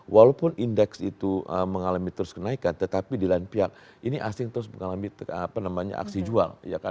walaupun indeks itu mengalami terus kenaikan tetapi di lain pihak ini asing terus mengalami aksi jual